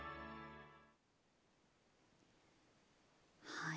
はい。